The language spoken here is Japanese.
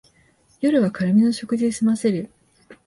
夜は軽めの食事ですませる